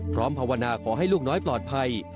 ภาวนาขอให้ลูกน้อยปลอดภัย